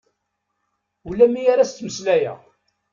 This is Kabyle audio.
Ula mi ara as-ttmeslayeɣ.